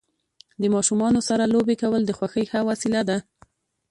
د ماشومانو سره لوبې کول د خوښۍ ښه وسیله ده.